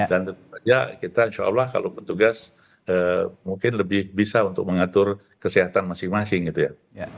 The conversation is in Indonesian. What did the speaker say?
dan tentu saja kita insya allah kalau petugas mungkin lebih bisa untuk mengatur kesehatan masing masing gitu ya